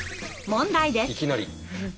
問題です。